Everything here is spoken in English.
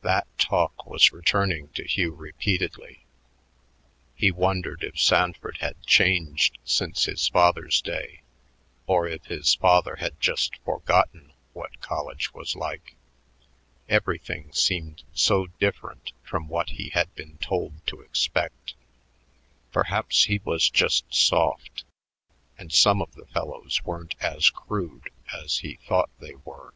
That talk was returning to Hugh repeatedly. He wondered if Sanford had changed since his father's day or if his father had just forgotten what college was like. Everything seemed so different from what he had been told to expect. Perhaps he was just soft and some of the fellows weren't as crude as he thought they were.